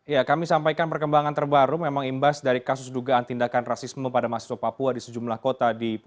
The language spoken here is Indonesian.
ya kami sampaikan perkembangan terbaru memang imbas dari kasus dugaan tersebut